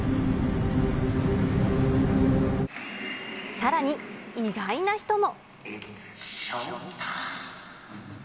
さらに、意外な人も。